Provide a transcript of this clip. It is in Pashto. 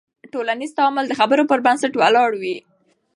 ټولنیز تعامل د خبرو پر بنسټ ولاړ وي.